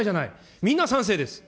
みんな賛成です。